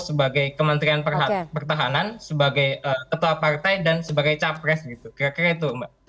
sebagai kementerian pertahanan sebagai ketua partai dan sebagai capres gitu kira kira itu mbak